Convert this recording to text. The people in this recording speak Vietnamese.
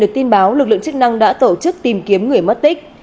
được tin báo lực lượng chức năng đã tổ chức tìm kiếm người mất tích